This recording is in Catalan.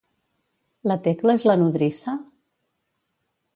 La Tecla és la nodrissa?